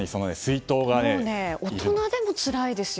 大人でもつらいですよ